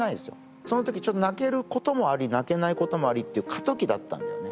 そのときちょっと泣けることもあり泣けないこともありっていう過渡期だったんだよね